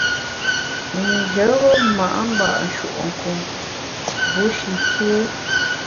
Njebe ma’ ngba’ nshùe’nkun bushi kié.